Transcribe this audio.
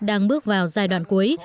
đang bước vào giai đoạn cuối